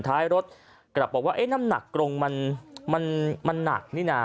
ท้ายรถกลับบอกว่าน้ำหนักกรงมันหนักนี่นะ